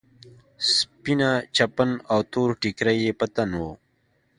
سپينه چپن او تور ټيکری يې په تن و.